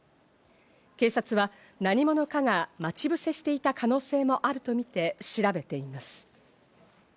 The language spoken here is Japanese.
警察は何者かが待ち伏せしていた可能性もあるとみて調べています。